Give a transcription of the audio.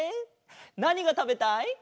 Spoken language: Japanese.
なにがたべたい？